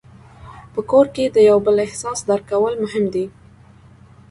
په کور کې د یو بل احساس درک کول مهم دي.